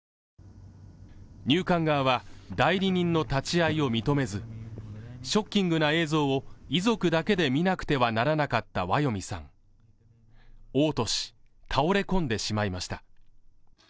入管側は代理人の立ち会いを認めずショッキングな映像を遺族だけで見なくてはならなかったワヨミさん嘔吐し倒れ込んでしまいました